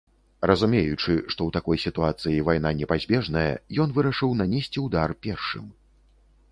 Разумеючы, што ў такой сітуацыі вайна непазбежная, ён вырашыў нанесці ўдар першым.